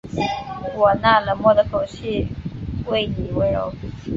我那冷漠的口气为妳温柔